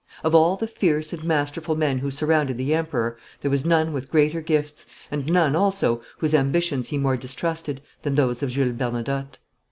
Of all the fierce and masterful men who surrounded the Emperor there was none with greater gifts, and none, also, whose ambitions he more distrusted, than those of Jules Bernadotte.